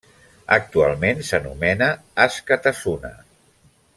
Actualment s'anomena Askatasuna.